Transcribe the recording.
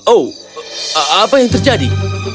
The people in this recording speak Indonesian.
oh apa yang terjadi